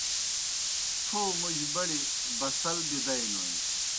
تھو موجیْ بڑیْ بَسَل بِدَئینوئے۔